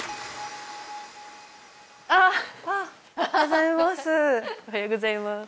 おはようございます。